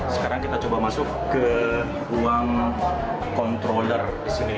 sekarang kita coba masuk ke ruang controller di sini